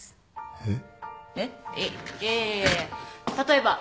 えっ？